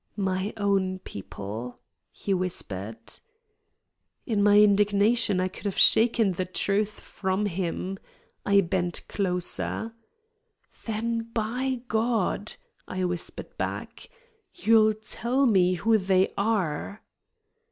"My own people," he whispered. In my indignation I could have shaken the truth from him. I bent closer. "Then, by God," I whispered back, "you'll tell me who they are!"